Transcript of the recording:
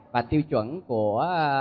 và tiêu chuẩn của